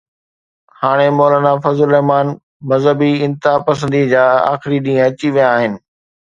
هاڻي مولانا فضل الرحمان مذهبي انتهاپسندي جا آخري ڏينهن اچي ويا آهن